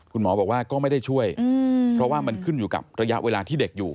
คุณหมอบอกว่าก็ไม่ได้ช่วยเพราะว่ามันขึ้นอยู่กับระยะเวลาที่เด็กอยู่